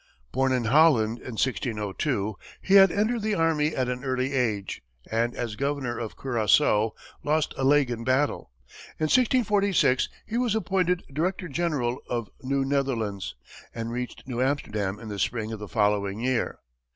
Born in Holland in 1602, he had entered the army at an early age, and, as governor of Curaçao, lost a leg in battle. In 1646, he was appointed director general of New Netherlands, and reached New Amsterdam in the spring of the following year.